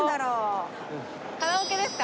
カラオケですか？